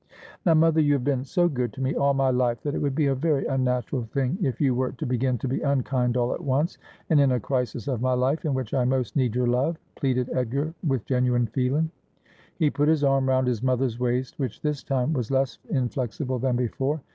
' Now, mother, you have been so good to me all my life that it would be a very unnatural thing if you were to begin to be unkind all at once, and in a crisis of my life in which I most need your love,' pleaded Edgar with genuine feeling. He put his arm round his mother's waist, which, this time, was less inflexible than before.